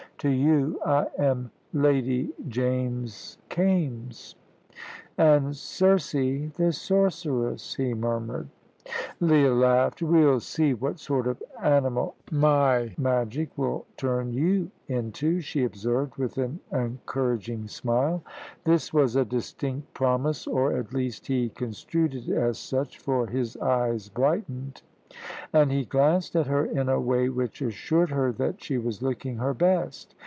To you I am Lady James Kaimes!" "And Circe, the sorceress," he murmured. Leah laughed. "We'll see what sort of animal my magic will turn you into," she observed, with an encouraging smile. This was a distinct promise, or at least he construed it as such, for his eyes brightened, and he glanced at her in a way which assured her that she was looking her best.